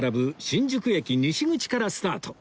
新宿駅西口からスタート